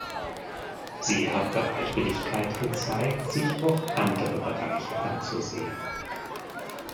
Sie hat Bereitwilligkeit gezeigt, sich auch andere Bereiche anzusehen.